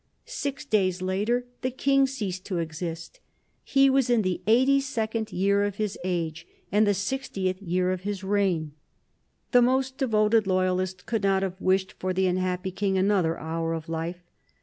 Six days later the King ceased to exist. He was in the eighty second year of his age and the sixtieth year of his reign. The most devoted loyalist could not have wished for the unhappy King another hour of life.